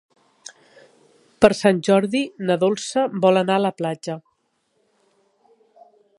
Per Sant Jordi na Dolça vol anar a la platja.